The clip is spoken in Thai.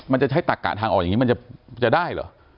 มันจะใช้ตักกะทางออกอย่างนี้มันจะได้เหรอ